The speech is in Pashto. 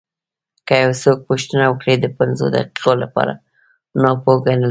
که یو څوک پوښتنه وکړي د پنځو دقیقو لپاره ناپوه ګڼل کېږي.